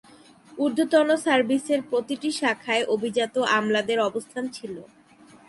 ঊর্ধ্বতন সার্ভিসের প্রতিটি শাখায় অভিজাত আমলাদের অবস্থান ছিল।